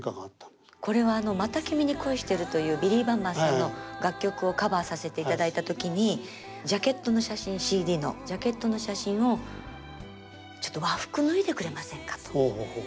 これは「また君に恋してる」というビリー・バンバンさんの楽曲をカバーさせていただいた時にジャケットの写真ＣＤのジャケットの写真を「ちょっと和服脱いでくれませんか？」と。